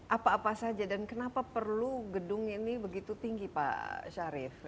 apa apa saja dan kenapa perlu gedung ini begitu tinggi pak syarif